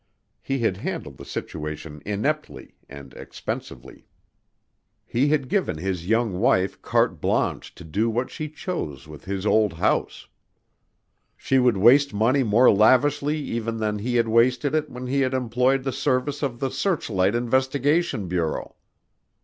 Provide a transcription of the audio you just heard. He had handled the situation ineptly and expensively. He had given his young wife carte blanche to do what she chose with his old house. She would waste money more lavishly even than he had wasted it when he had employed the services of the Searchlight Investigation Bureau.